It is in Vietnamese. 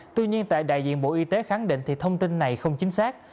tuy nhiên tại đại diện bộ y tế khẳng định thì thông tin này không chính xác